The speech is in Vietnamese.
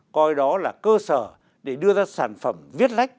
coi đó là cơ sở để đưa ra sản phẩm viết lách